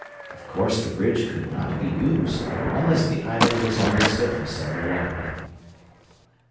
Of course the bridge could not be used unless the island was on the surface of the water."